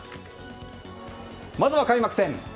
まずは開幕戦。